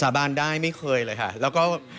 สาบานได้ไม่เคยเลยค่ะ